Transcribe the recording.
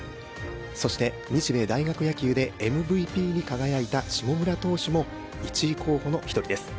そして日米大学野球でＭＶＰに輝いた下村投手も１位候補の一人です。